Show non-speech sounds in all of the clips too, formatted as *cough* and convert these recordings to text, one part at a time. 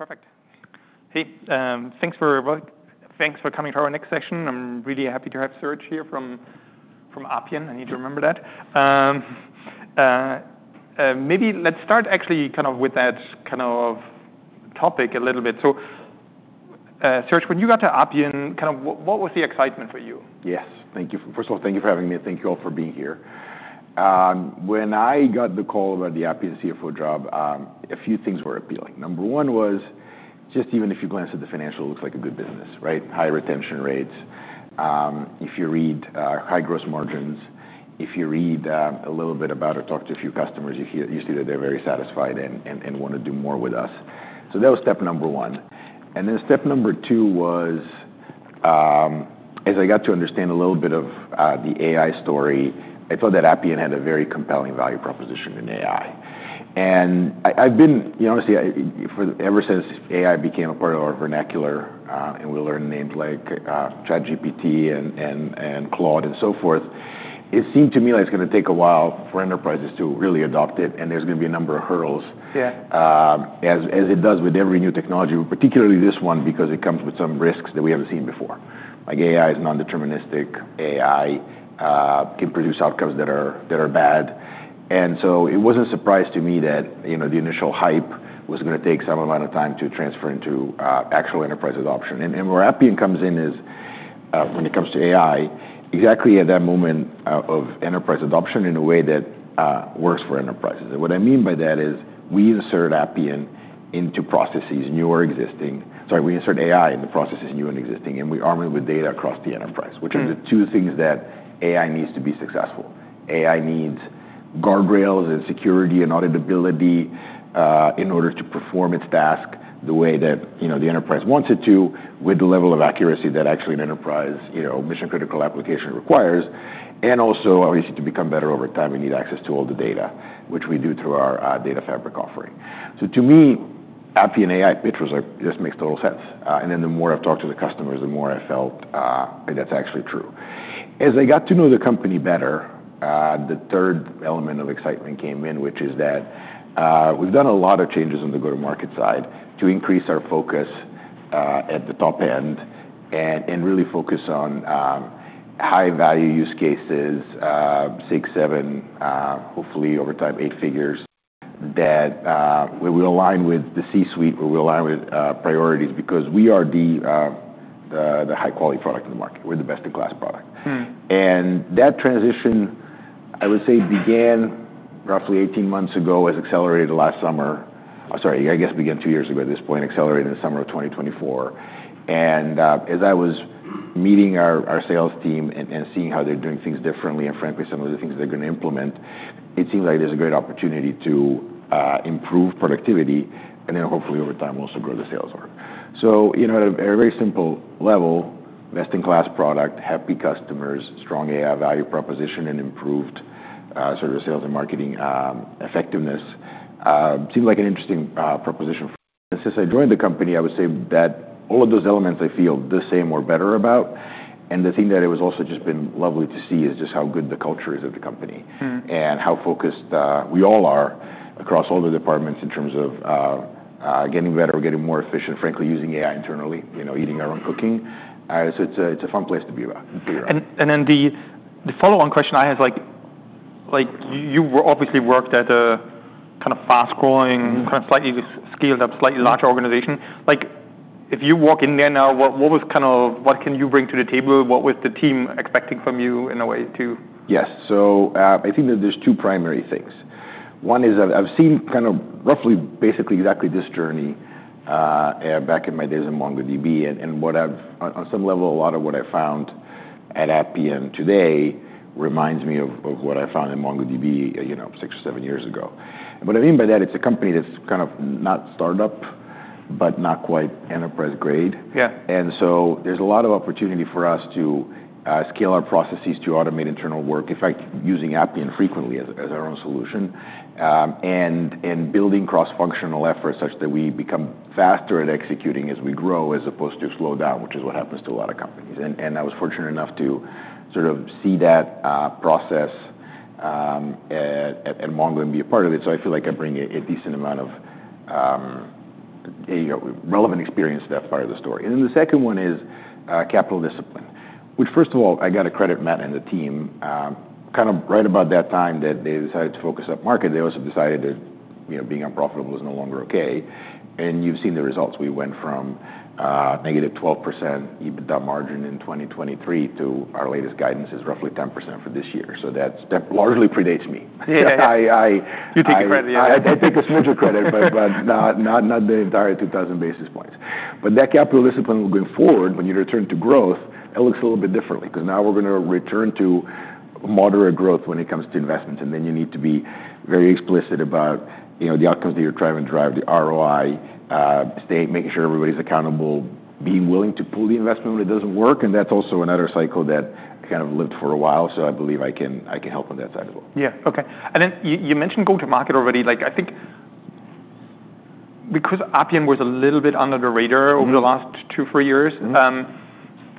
Okay. Perfect. Hey, thanks for coming to our next session. I'm really happy to have Serge here from Appian. I need to remember that. Maybe let's start actually kind of with that kind of topic a little bit. So, Serge, when you got to Appian, kind of what was the excitement for you? Yes. Thank you. First of all, thank you for having me. Thank you all for being here. When I got the call about the Appian CFO job, a few things were appealing. Number one was just even if you glance at the financial, it looks like a good business, right? High retention rates. If you read, high gross margins. If you read, a little bit about or talk to a few customers, you hear, you see that they're very satisfied and want to do more with us. So that was step number one. And then step number two was, as I got to understand a little bit of, the AI story, I thought that Appian had a very compelling value proposition in AI. I've been, you know, honestly, ever since AI became a part of our vernacular, and we learned names like ChatGPT and Claude and so forth, it seemed to me like it's going to take a while for enterprises to really adopt it, and there's going to be a number of hurdles. As it does with every new technology, particularly this one, because it comes with some risks that we haven't seen before. Like, AI is non-deterministic. AI can produce outcomes that are bad, and so it wasn't a surprise to me that, you know, the initial hype was going to take some amount of time to transfer into actual enterprise adoption, and where Appian comes in is, when it comes to AI, exactly at that moment of enterprise adoption in a way that works for enterprises, and what I mean by that is we insert Appian into processes new or existing. Sorry, we insert AI into processes new and existing, and we arm it with data across the enterprise. Which are the two things that AI needs to be successful. AI needs guardrails and security and auditability, in order to perform its task the way that, you know, the enterprise wants it to with the level of accuracy that actually an enterprise, you know, mission-critical application requires. And also, obviously, to become better over time, we need access to all the data, which we do through our Data Fabric offering. So to me, Appian AI pitch was like, this makes total sense, and then the more I've talked to the customers, the more I felt that that's actually true. As I got to know the company better, the third element of excitement came in, which is that we've done a lot of changes on the go-to-market side to increase our focus at the top end and really focus on high-value use cases, six, seven, hopefully over time eight figures that where we align with the C-suite, where we align with priorities because we are the high-quality product in the market. We're the best-in-class product. And that transition, I would say, began roughly 18 months ago that accelerated last summer. I'm sorry, I guess began two years ago at this point, accelerated in the summer of 2024. And as I was meeting our sales team and seeing how they're doing things differently and frankly some of the things they're going to implement, it seemed like there's a great opportunity to improve productivity and then hopefully over time also grow the sales arc, so you know at a very simple level best-in-class product, happy customers, strong AI value proposition, and improved sort of sales and marketing effectiveness seemed like an interesting proposition, and since I joined the company I would say that all of those elements I feel the same or better about, and the thing that it was also just been lovely to see is just how good the culture is at the company, and how focused we all are across all the departments in terms of getting better, getting more efficient, frankly using AI internally, you know eating our own cooking. It's a fun place to be about. The follow-on question I had is like you obviously worked at a kind of fast-growing. Kind of slightly scaled up, slightly larger organization. Like if you walk in there now, what was kind of what can you bring to the table? What was the team expecting from you in a way to? Yes. So, I think that there's two primary things. One is I've seen kind of roughly basically exactly this journey, back in my days in MongoDB and what I've on some level a lot of what I found at Appian today reminds me of what I found in MongoDB, you know, six or seven years ago, and what I mean by that, it's a company that's kind of not startup but not quite enterprise grade. And so there's a lot of opportunity for us to scale our processes to automate internal work, in fact, using Appian frequently as our own solution, and building cross-functional efforts such that we become faster at executing as we grow as opposed to slow down, which is what happens to a lot of companies. And I was fortunate enough to sort of see that process at Mongo and be a part of it. So I feel like I bring a decent amount of, you know, relevant experience to that part of the story. And then the second one is capital discipline, which first of all, I got to credit Matt and the team, kind of right about that time that they decided to focus up market. They also decided that, you know, being unprofitable is no longer okay. And you've seen the results. We went from negative 12% EBITDA margin in 2023 to our latest guidance is roughly 10% for this year. So that's that. That largely predates me. *crosstalk* You take a credit here. I take a smidge of credit, but not the entire 2,000 basis points. But that capital discipline will go forward. When you return to growth, it looks a little bit differently 'cause now we're going to return to moderate growth when it comes to investments. And then you need to be very explicit about, you know, the outcomes that you're trying to drive, the ROI, staying, making sure everybody's accountable, being willing to pull the investment when it doesn't work. And that's also another cycle that I kind of lived for a while. So I believe I can help on that side as well. Yeah. Okay. And then you mentioned go-to-market already. Like I think because Appian was a little bit under the radar over the last two, three years.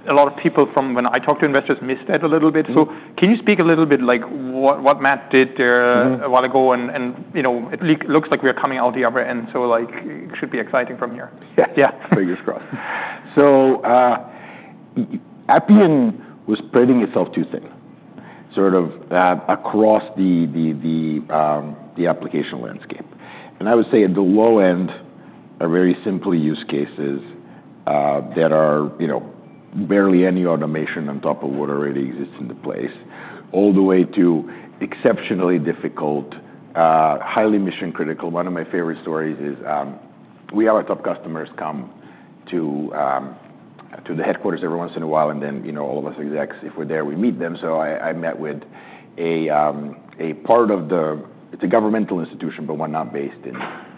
A lot of people, when I talk to investors, miss that a little bit. So can you speak a little bit like what Matt did there? A while ago, you know, it looks like we are coming out the other end, so like it should be exciting from here. Yeah. Fingers crossed. So, Appian was spreading itself too thin, sort of, across the application landscape. And I would say at the low end are very simple use cases, that are, you know, barely any automation on top of what already exists in the place, all the way to exceptionally difficult, highly mission-critical. One of my favorite stories is. We have our top customers come to the headquarters every once in a while, and then, you know, all of us execs, if we're there, we meet them. So I met with a part of the. It's a governmental institution, but one not based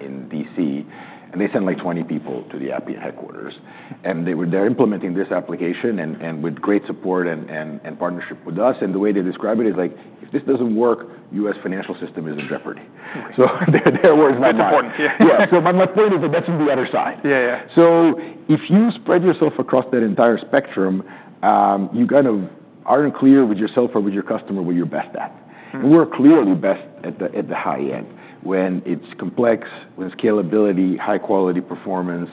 in D.C. And they sent like 20 people to the Appian headquarters. And they were there implementing this application and with great support and partnership with us. The way they describe it is like, "If this doesn't work, U.S. financial system is in jeopardy. So their words might not. That's important. Yeah. Yeah. So my point is that that's on the other side. Yeah. So if you spread yourself across that entire spectrum, you kind of aren't clear with yourself or with your customer what you're best at And we're clearly best at the high end when it's complex, when scalability, high-quality performance,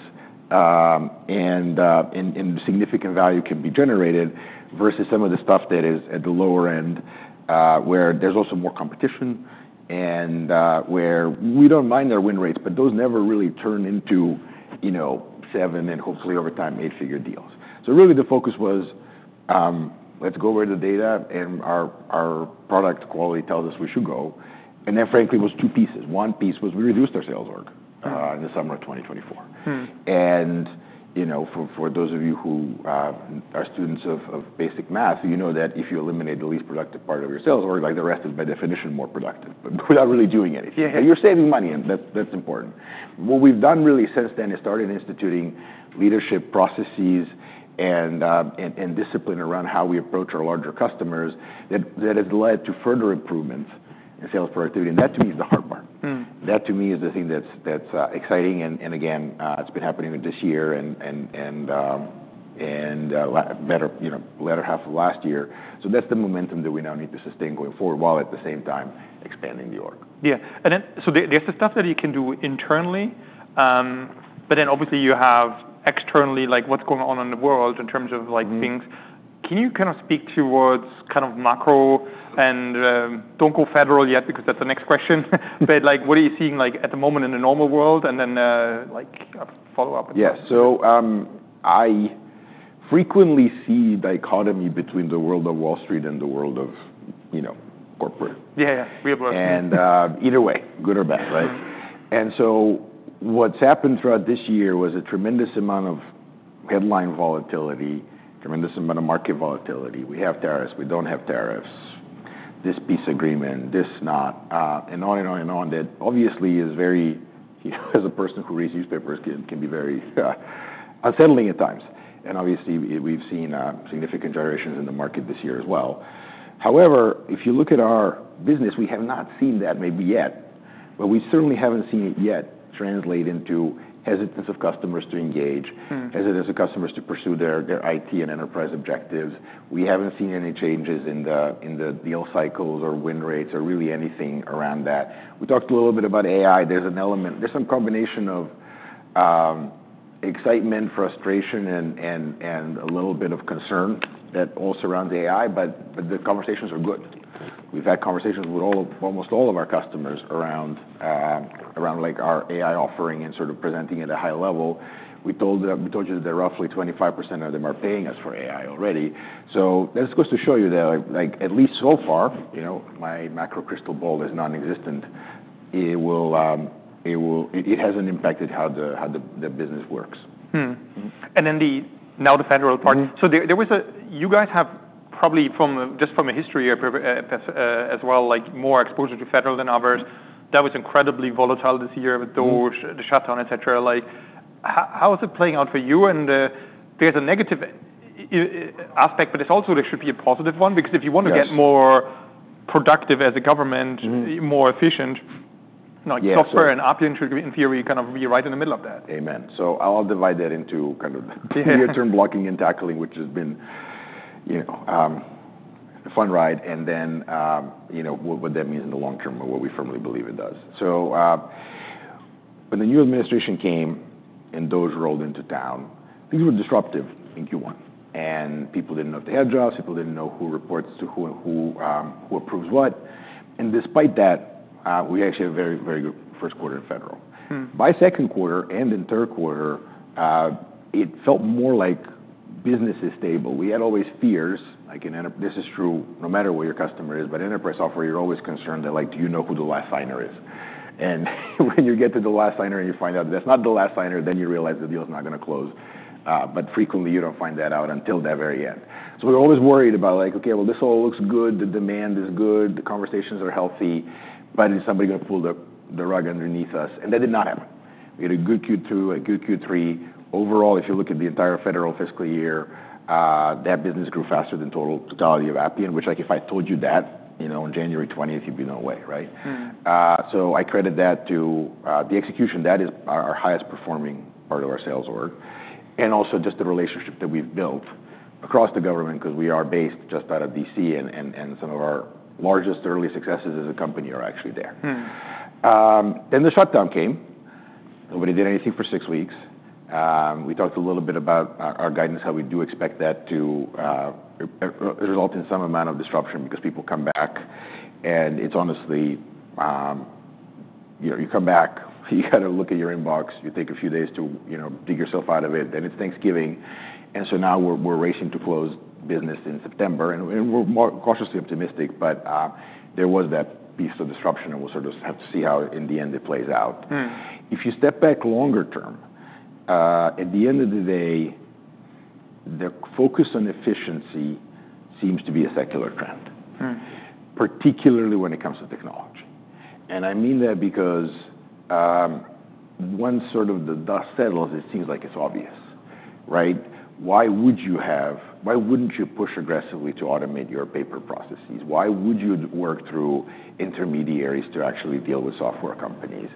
and significant value can be generated versus some of the stuff that is at the lower end, where there's also more competition and where we don't mind their win rates, but those never really turn into, you know, seven- and hopefully over time eight-figure deals. So really the focus was, let's go where the data and our product quality tells us we should go. And that frankly was two pieces. One piece was we reduced our sales org in the summer of 2024. And, you know, for those of you who are students of basic math, you know that if you eliminate the least productive part of your sales arc, like the rest is by definition more productive without really doing anything. And you're saving money, and that's important. What we've done really since then is started instituting leadership processes and discipline around how we approach our larger customers that has led to further improvements in sales productivity. And that to me is the hard part. That to me is the thing that's exciting. And again, it's been happening this year and latter half of last year, you know. So that's the momentum that we now need to sustain going forward while at the same time expanding the org. Yeah, and then so there, there's the stuff that you can do internally, but then obviously you have externally, like what's going on in the world in terms of like things. Can you kind of speak towards kind of macro and, don't go federal yet because that's the next question, but like what are you seeing like at the moment in the normal world and then, like a follow-up? Yeah. So, I frequently see dichotomy between the world of Wall Street and the world of, you know, corporate. Yeah. Real world. Either way, good or bad, right? And so what's happened throughout this year was a tremendous amount of headline volatility, tremendous amount of market volatility. We have tariffs. We don't have tariffs. This peace agreement, this not, and on and on and on that obviously is very, you know, as a person who reads newspapers, can be very unsettling at times. And obviously we've seen significant gyrations in the market this year as well. However, if you look at our business, we have not seen that maybe yet, but we certainly haven't seen it yet translate into hesitance of customers to engage. Hesitance of customers to pursue their IT and enterprise objectives. We haven't seen any changes in the deal cycles or win rates or really anything around that. We talked a little bit about AI. There's an element, some combination of excitement, frustration, and a little bit of concern that all surrounds AI, but the conversations are good. We've had conversations with almost all of our customers around like our AI offering and sort of presenting at a high level. We told you that roughly 25% of them are paying us for AI already. So that's supposed to show you that like at least so far, you know, my macro crystal ball is non-existent. It hasn't impacted how the business works. And then, now, the federal part. So there was a, you guys have probably from just a history of, as well, like more exposure to federal than others. That was incredibly volatile this year with DOGE, the shutdown, etc. Like how is it playing out for you? And there's a negative aspect, but it's also there should be a positive one because if you want to get more productive as a government. More efficient, like software and Appian should be in theory kind of be right in the middle of that. Amen, so I'll divide that into kind of. The near-term blocking and tackling, which has been, you know, a fun ride, and then, you know, what that means in the long term and what we firmly believe it does, so when the new administration came and DOGE rolled into town, things were disruptive in Q1, and people didn't know if they had jobs. People didn't know who reports to who, who approves what, and despite that, we actually had a very, very good first quarter in federal. By second quarter and in third quarter, it felt more like business is stable. We had always fears, like, in enterprise this is true no matter what your customer is, but enterprise software, you're always concerned that, like, do you know who the last signer is? And when you get to the last signer and you find out that's not the last signer, then you realize the deal's not going to close, but frequently you don't find that out until that very end, so we were always worried about like, okay, well, this all looks good. The demand is good. The conversations are healthy, but is somebody going to pull the rug underneath us? And that did not happen. We had a good Q2, a good Q3. Overall, if you look at the entire federal fiscal year, that business grew faster than total totality of Appian, which like if I told you that, you know, on January 20th, you'd be no way, right, so I credit that to the execution. That is our highest performing part of our sales arc and also just the relationship that we've built across the government 'cause we are based just out of DC and some of our largest early successes as a company are actually there, then the shutdown came. Nobody did anything for six weeks. We talked a little bit about our guidance, how we do expect that to result in some amount of disruption because people come back and it's honestly, you know, you come back, you got to look at your inbox, you take a few days to you know, dig yourself out of it, then it's Thanksgiving, and so now we're racing to close business in September, and we're more cautiously optimistic, but there was that piece of disruption and we'll sort of have to see how in the end it plays out. If you step back longer term, at the end of the day, the focus on efficiency seems to be a secular trend. Particularly when it comes to technology. And I mean that because, once sort of the dust settles, it seems like it's obvious, right? Why would you have, why wouldn't you push aggressively to automate your paper processes? Why would you work through intermediaries to actually deal with software companies?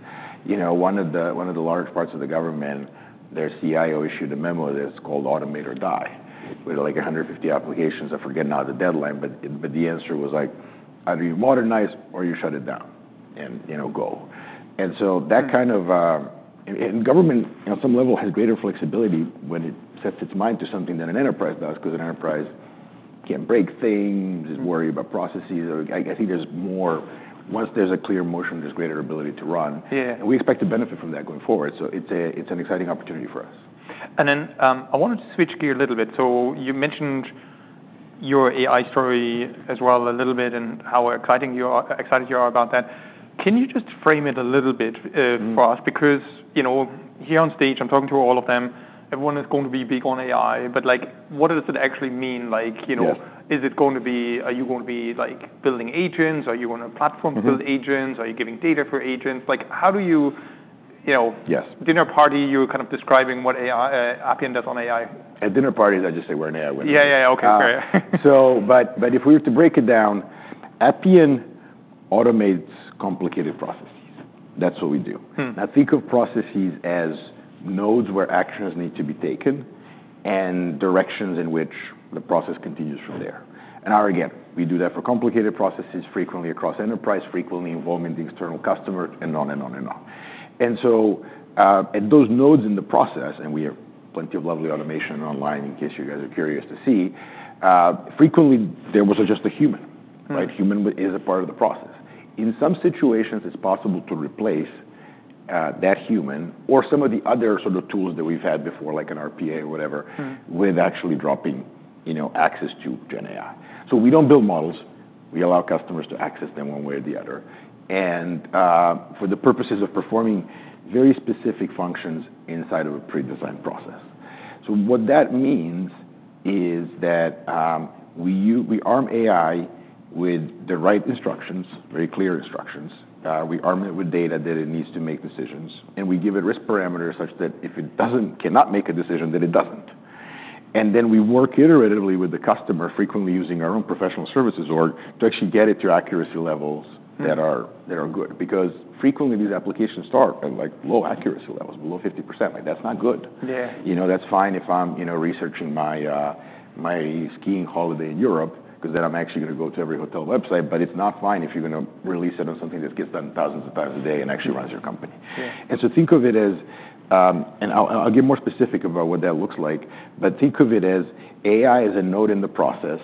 You know, one of the large parts of the government, their CIO issued a memo that's called Automate or Die with like 150 applications. I forget now the deadline, but the answer was like, either you modernize or you shut it down and, you know, go. And so that kind of government on some level has greater flexibility when it sets its mind to something than an enterprise does 'cause an enterprise can break things, is worried about processes. Or I think there's more, once there's a clear motion, there's greater ability to run. And we expect to benefit from that going forward. So it's an exciting opportunity for us. And then, I wanted to switch gear a little bit. So you mentioned your AI story as well a little bit and how exciting you are, excited you are about that. Can you just frame it a little bit for us? Because, you know, here on stage, I'm talking to all of them. Everyone is going to be big on AI, but like what does it actually mean? Like, you know, is it going to be? Are you going to be like building agents? Are you on a platform to build agents? Are you giving data for agents? Like, how do you, you know, dinner party, you're kind of describing what AI, Appian does on AI? At dinner parties, I just say we're an AI winner. Yeah. Okay. Great. But if we were to break it down, Appian automates complicated processes. That's what we do. Now think of processes as nodes where actions need to be taken and directions in which the process continues from there. And again, we do that for complicated processes frequently across enterprise, frequently involving the external customer and on and on and on. And so at those nodes in the process, and we have plenty of lovely automation online in case you guys are curious to see, frequently there was just a human, right? Human is a part of the process. In some situations, it's possible to replace that human or some of the other sort of tools that we've had before, like an RPA or whatever with actually dropping, you know, access to GenAI. So we don't build models. We allow customers to access them one way or the other. And for the purposes of performing very specific functions inside of a pre-designed process. So what that means is that we arm AI with the right instructions, very clear instructions. We arm it with data that it needs to make decisions, and we give it risk parameters such that if it doesn't cannot make a decision, that it doesn't. And then we work iteratively with the customer, frequently using our own professional services org to actually get it to accuracy levels that are good. Because frequently these applications start at like low accuracy levels, below 50%. Like that's not good. You know, that's fine if I'm, you know, researching my skiing holiday in Europe 'cause then I'm actually going to go to every hotel website, but it's not fine if you're going to release it on something that gets done thousands of times a day and actually runs your company. And so think of it as, and I'll get more specific about what that looks like, but think of it as AI is a node in the process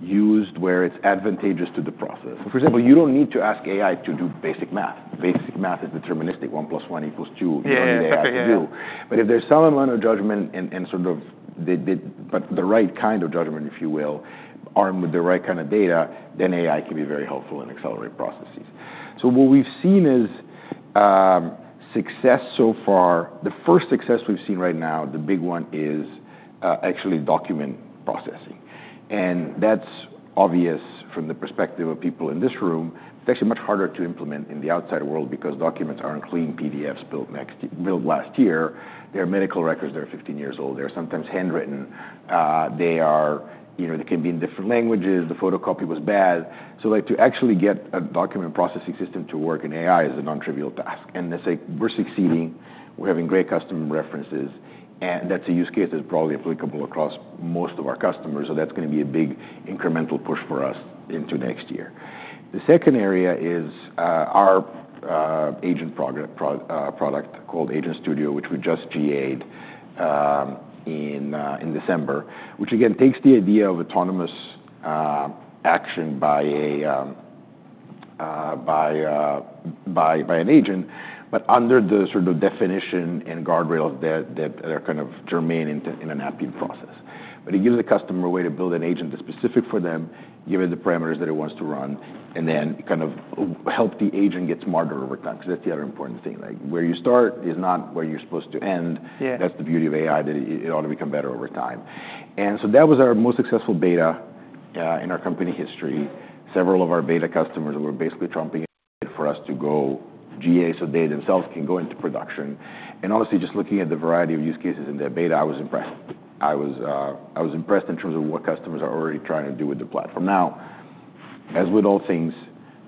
used where it's advantageous to the process. For example, you don't need to ask AI to do basic math. Basic math is deterministic, 1 + 1 = 2. You don't need AI to do. But if there's some amount of judgment and sort of the right kind of judgment, if you will, armed with the right kind of data, then AI can be very helpful and accelerate processes. So what we've seen is success so far, the first success we've seen right now, the big one is actually document processing. And that's obvious from the perspective of people in this room. It's actually much harder to implement in the outside world because documents aren't clean PDFs built last year. They're medical records, they're 15 years old. They're sometimes handwritten. You know, they can be in different languages. The photocopy was bad. So, like, to actually get a document processing system to work in AI is a non-trivial task. And they say we're succeeding, we're having great customer references, and that's a use case that's probably applicable across most of our customers. So that's going to be a big incremental push for us into next year. The second area is our product called Agent Studio, which we just GA'ed in December, which again takes the idea of autonomous action by an agent, but under the sort of definition and guardrails that are kind of germane in an Appian process. But it gives the customer a way to build an agent that's specific for them, give it the parameters that it wants to run, and then kind of help the agent get smarter over time 'cause that's the other important thing. Like where you start is not where you're supposed to end. That's the beauty of AI, that it ought to become better over time, and so that was our most successful beta in our company history. Several of our beta customers were basically trumpeting it for us to go GA so they themselves can go into production, and honestly, just looking at the variety of use cases in that beta, I was impressed. I was impressed in terms of what customers are already trying to do with the platform. Now, as with all things,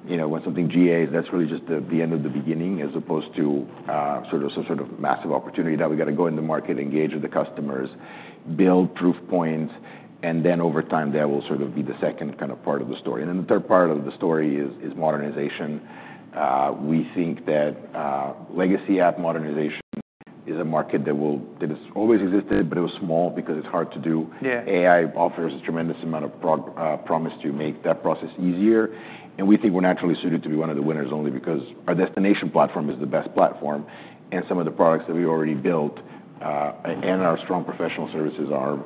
you know, when something GA's, that's really just the end of the beginning as opposed to sort of some sort of massive opportunity that we got to go in the market, engage with the customers, build proof points, and then over time that will sort of be the second kind of part of the story. And then the third part of the story is modernization. We think that legacy app modernization is a market that has always existed, but it was small because it's hard to do. AI offers a tremendous amount of promise to make that process easier. And we think we're naturally suited to be one of the winners only because our destination platform is the best platform. And some of the products that we already built, and our strong professional services arm,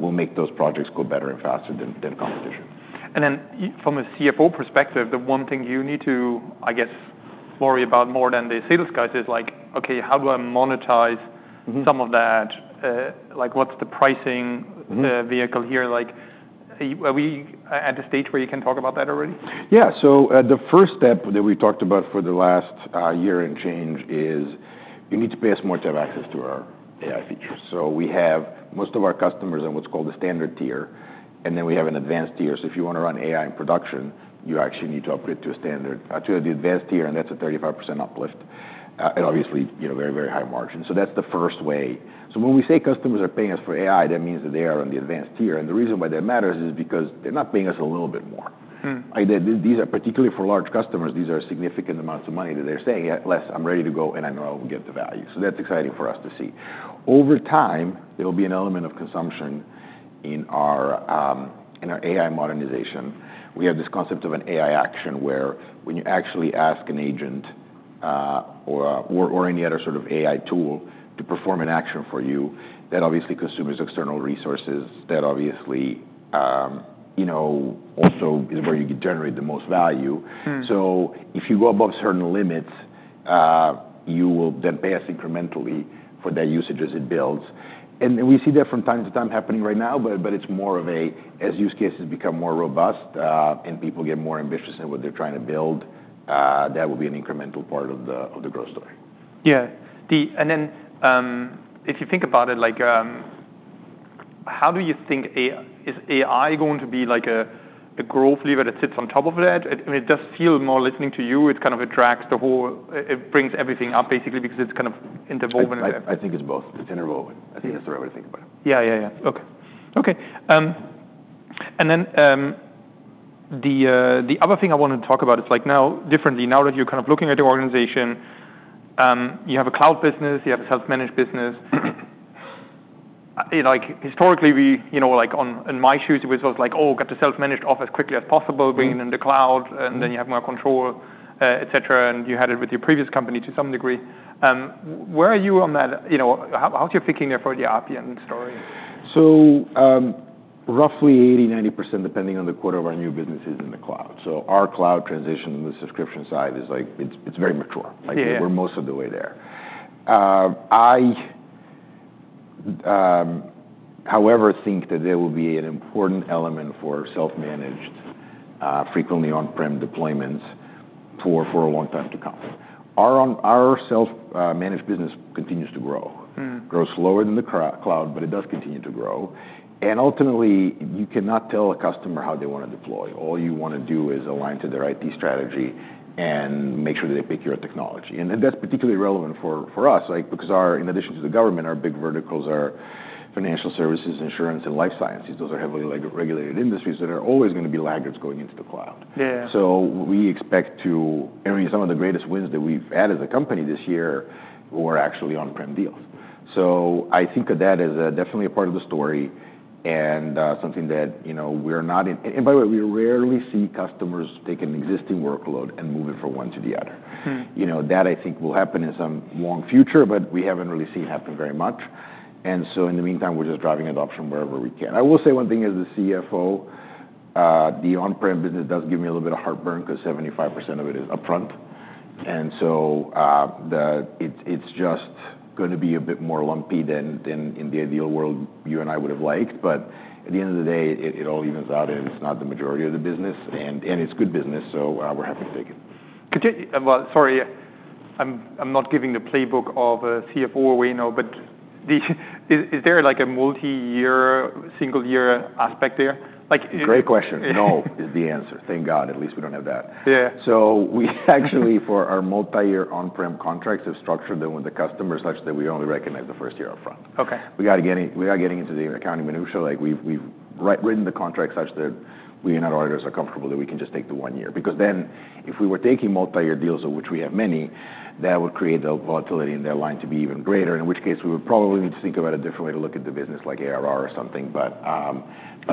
will make those projects go better and faster than competition. And then, from a CFO perspective, the one thing you need to, I guess, worry about more than the sales guys is like, okay, how do I monetize some of that? Like, what's the pricing vehicle here? Like, are we at a stage where you can talk about that already? Yeah. So, the first step that we talked about for the last year and change is you need to pay us more to have access to our AI features. So we have most of our customers in what's called the standard tier, and then we have an advanced tier. So if you want run AI in production, you actually need to upgrade to a standard, to the advanced tier, and that's a 35% uplift. And obviously, you know, very, very high margin. So that's the first way. So when we say customers are paying us for AI, that means that they are on the advanced tier. And the reason why that matters is because they're not paying us a little bit more. Like that, these are particularly for large customers. These are significant amounts of money that they're saying, "Yeah, less. I'm ready to go, and I know I will get the value," so that's exciting for us to see. Over time, there'll be an element of consumption in our AI modernization. We have this concept of an AI action where when you actually ask an agent, or any other sort of AI tool to perform an action for you, that obviously consumes external resources. That obviously, you know, also is where you generate the most value, so if you go above certain limits, you will then pay us incrementally for that usage as it builds, and we see that from time to time happening right now, but it's more of a, as use cases become more robust, and people get more ambitious in what they're trying to build, that will be an incremental part of the growth story. Yeah. Then, if you think about it, like, how do you think AI is going to be like a growth leader that sits on top of that? It does feel more listening to you. It kind of attracts the whole. It brings everything up basically because it's kind of interwoven with that. I think it's both. It's interwoven. Yeah. I think that's the right way to think about it. Yeah. Okay, and then the other thing I wanted to talk about is like now, differently, now that you're kind of looking at the organization, you have a cloud business, you have a self-managed business. You know, like historically we, you know, like on, in my shoes, it was always like, "Oh, get the self-managed off as quickly as possible, bring it into the cloud, and then you have more control," etc, and you had it with your previous company to some degree. Where are you on that? You know, how's your picking there for the Appian story? So, roughly 80%-90%, depending on the quota of our new business, is in the cloud. So our cloud transition on the subscription side is like, it's very mature. Like we're most of the way there. I however think that there will be an important element for self-managed, frequently on-prem deployments for a long time to come. Our self-managed business continues to grow slower than the cloud, but it does continue to grow. And ultimately, you cannot tell a customer how they want to deploy. All you want to do is align to their IT strategy and make sure that they pick your technology. And that's particularly relevant for us. Like, because in addition to the government, our big verticals are financial services, insurance, and life sciences. Those are heavily regulated industries that are always going to be laggards going into the cloud. So we expect to, I mean, some of the greatest wins that we've had as a company this year were actually on-prem deals. So I think of that as definitely a part of the story and something that, you know, we're not in, by the way, we rarely see customers take an existing workload and move it from one to the other. You know, that I think will happen in some long future, but we haven't really seen happen very much. And so in the meantime, we're just driving adoption wherever we can. I will say one thing as the CFO, the on-prem business does give me a little bit of heartburn 'cause 75% of it is upfront. And so it's just going to be a bit more lumpy than in the ideal world you and I would've liked. But at the end of the day, it all evens out and it's not the majority of the business. And it's good business, so we're happy to take it. Could you, well, sorry, I'm not giving the playbook of a CFO we know, but is there like a multi-year, single-year aspect there? Like. Great question. Yeah. No is the answer. Thank God. At least we don't have that. Yeah. We actually, for our multi-year on-prem contracts, have structured them with the customer such that we only recognize the first year upfront. We got to get in, we are getting into the accounting minutiae. Like we've written the contract such that we and our auditors are comfortable that we can just take the one year. Because then if we were taking multi-year deals, of which we have many, that would create the volatility in their line to be even greater, in which case we would probably need to think about a different way to look at the business, like ARR or something. But I'm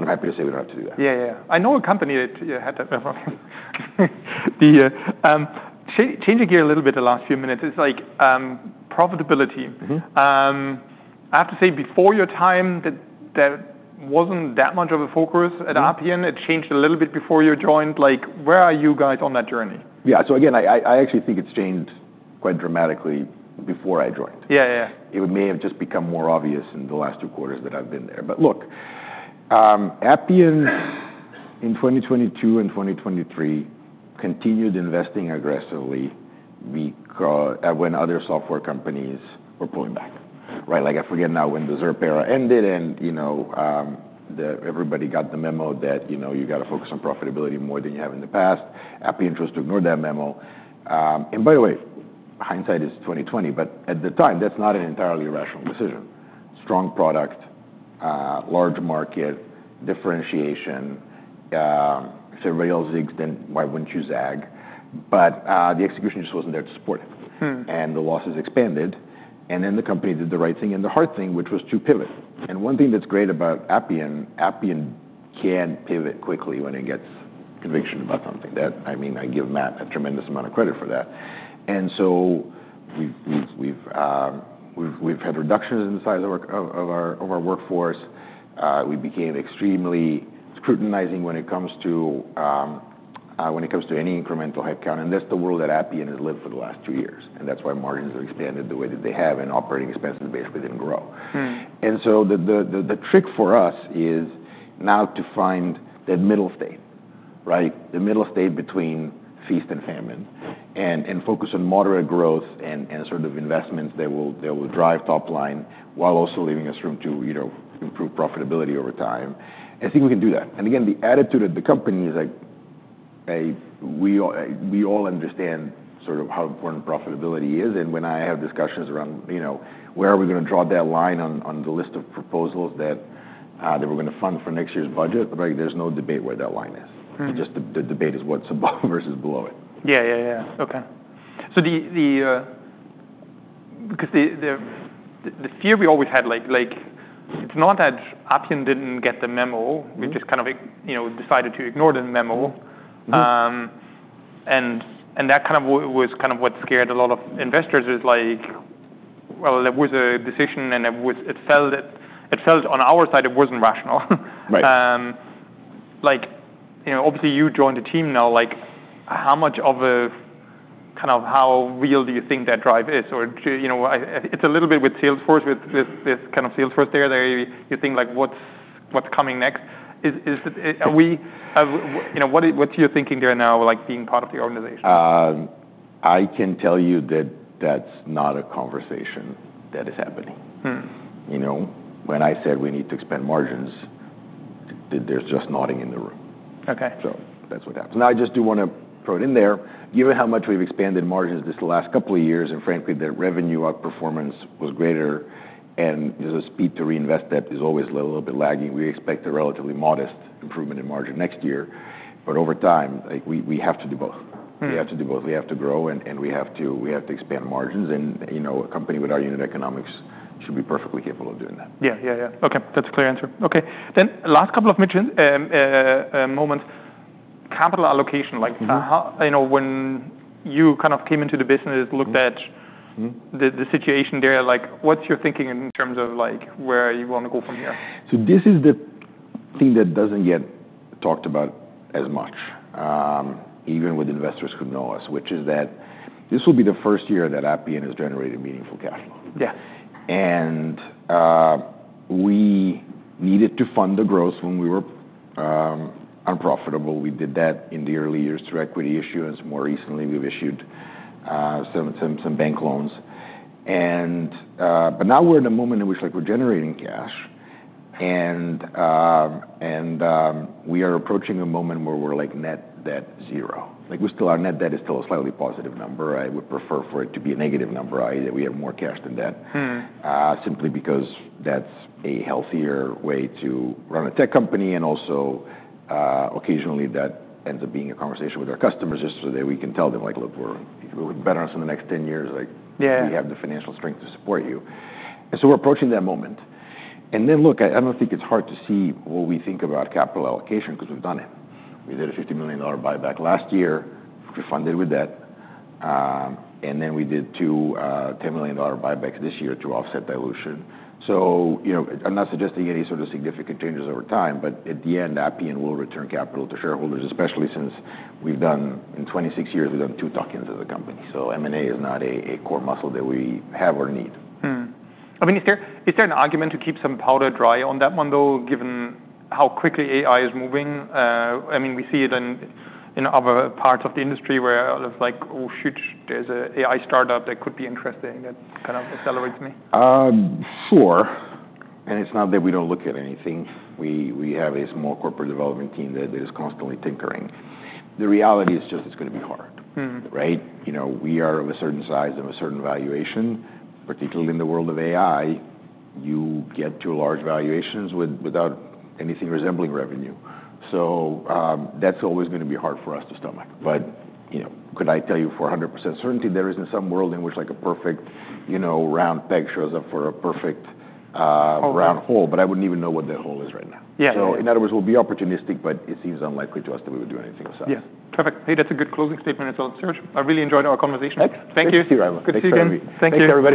happy to say we don't have to do that. Yeah. I know a company that you had that before. Changing gear a little bit the last few minutes. It's like, profitability. I have to say before your time, that wasn't that much of a focus at Appian. It changed a little bit before you joined. Like where are you guys on that journey? Yeah. So again, I actually think it's changed quite dramatically before I joined. It may have just become more obvious in the last two quarters that I've been there, but look, Appian in 2022 and 2023 continued investing aggressively because, when other software companies were pulling back, right? Like I forget now when the ZIRP era ended and, you know, everybody got the memo that, you know, you got to focus on profitability more than you have in the past. Appian chose to ignore that memo, and by the way, hindsight is 20/20, but at the time, that's not an entirely rational decision. Strong product, large market, differentiation, surveil zigs, then why wouldn't you zag? But the execution just wasn't there to support it, and the losses expanded, and then the company did the right thing, which was to pivot, and one thing that's great about Appian, Appian can pivot quickly when it gets conviction about something. That, I mean, I give Matt a tremendous amount of credit for that. And so we've had reductions in the size of our workforce. We became extremely scrutinizing when it comes to any incremental headcount. And that's the world that Appian has lived for the last two years. And that's why margins have expanded the way that they have and operating expenses basically didn't grow. And so the trick for us is now to find that middle state, right? The middle state between feast and famine and focus on moderate growth and sort of investments that will drive top line while also leaving us room to, you know, improve profitability over time. I think we can do that. And again, the attitude of the company is like, we all understand sort of how important profitability is. And when I have discussions around, you know, where are we going to draw that line on the list of proposals that we're going to fund for next year's budget, right? There's no debate where that line is. It just, the debate is what's above versus below it. Yeah. Okay. So the fear we always had, like, it's not that Appian didn't get the memo. We just kind of, you know, decided to ignore the memo. and that kind of was kind of what scared a lot of investors is like, well, there was a decision and it was, it felt that, it felt on our side it wasn't rational. Right. Like, you know, obviously you joined the team now. Like how much of a kind of how real do you think that drive is? Or do you know, it's a little bit with Salesforce, with this kind of Salesforce there that you think like what's coming next? Is it, are we, you know, what's your thinking there now, like being part of the organization? I can tell you that that's not a conversation that is happening. You know, when I said we need to expand margins, there's just nodding in the room. Okay. So that's what happens. Now I just do want to throw it in there. Given how much we've expanded margins this last couple of years and frankly the revenue outperformance was greater and there's a speed to reinvest that is always a little bit lagging, we expect a relatively modest improvement in margin next year. But over time, like, we, we have to do both. We have to do both. We have to grow and, and we have to, we have to expand margins. And, you know, a company with our unit economics should be perfectly capable of doing that. Yeah. Okay. That's a clear answer. Okay. Then last couple of moments. Capital allocation, like, how, you know, when you kind of came into the business, looked at The situation there, like what's your thinking in terms of like where you want to go from here? This is the thing that doesn't get talked about as much, even with investors who know us, which is that this will be the first year that Appian has generated meaningful cash flow. We needed to fund the growth when we were unprofitable. We did that in the early years through equity issuance. More recently, we've issued some bank loans, but now we're in a moment in which like we're generating cash and we are approaching a moment where we're like net debt zero. Like we still our net debt is still a slightly positive number. I would prefer for it to be a negative number. We have more cash than that simply because that's a healthier way to run a tech company. Also, occasionally that ends up being a conversation with our customers just so that we can tell them like, "Look, we're, you're doing better in the next 10 years like, we have the financial strength to support you. And so we're approaching that moment. And then look, I don't think it's hard to see what we think about capital allocation 'cause we've done it. We did a $50 million buyback last year. We funded with that, and then we did two $10 million buybacks this year to offset dilution. So, you know, I'm not suggesting any sort of significant changes over time, but at the end, Appian will return capital to shareholders, especially since, in 26 years, we've done two tuck-ins of the company. So M&A is not a core muscle that we have or need. I mean, is there an argument to keep some powder dry on that one though, given how quickly AI is moving? I mean, we see it in other parts of the industry where it's like, "Oh shoot, there's an AI startup that could be interesting." That kind of accelerates M&A. Sure. And it's not that we don't look at anything. We have a small corporate development team that is constantly tinkering. The reality is just it's going to be hard. Right? You know, we are of a certain size and a certain valuation, particularly in the world of AI, you get to large valuations with, without anything resembling revenue. So, that's always going to be hard for us to stomach. But, you know, could I tell you for 100% certainty there isn't some world in which like a perfect, you know, round peg shows up for a perfect- Hole. -round hole, but I wouldn't even know what that hole is right now. Yeah. So in other words, we'll be opportunistic, but it seems unlikely to us that we would do anything with size. Yeah. Perfect. Hey, that's a good closing statement as well, Serge. I really enjoyed our conversation. Excellent. Thank you. Thank you, Raymond. Good to see you again. Thank you. Thank you. Have a great week. Thank you.